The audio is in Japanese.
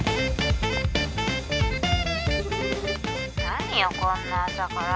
何よこんな朝から。